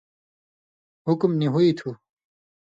حُکُم نی ہُوئ تھُو،